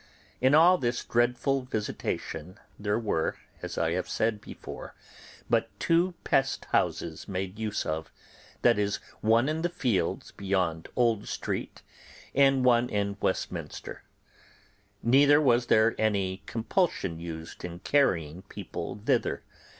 In all this dreadful visitation there were, as I have said before, but two pest houses made use of, viz., one in the fields beyond Old Street and one in Westminster; neither was there any compulsion used in carrying people thither.